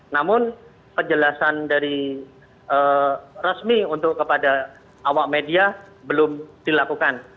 namun penjelasan dari resmi untuk kepada awak media belum dilakukan